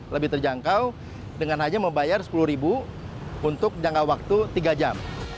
lebih terjangkau dengan hanya membayar rp sepuluh untuk jangka waktu tiga jam